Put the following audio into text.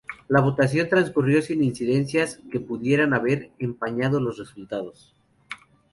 La votación transcurrió sin incidencias que pudieran haber empañado los resultados.